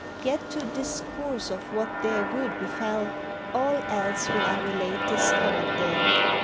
Yet to discourse of what there good befell, All else will I relate discover'd there.